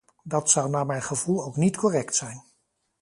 Dat zou naar mijn gevoel ook niet correct zijn.